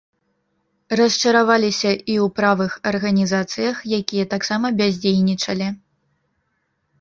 Расчараваліся і ў правых арганізацыях, якія таксама бяздзейнічалі.